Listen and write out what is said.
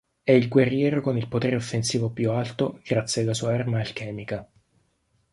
È il guerriero con il potere offensivo più alto grazie alla sua arma alchemica.